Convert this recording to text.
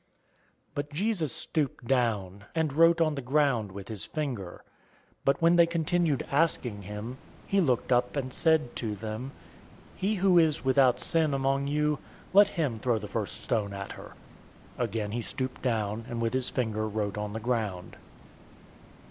But Jesus stooped down, and wrote on the ground with his finger. 008:007 But when they continued asking him, he looked up and said to them, "He who is without sin among you, let him throw the first stone at her." 008:008 Again he stooped down, and with his finger wrote on the ground.